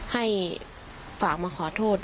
ให้ฝากมาขอโทษ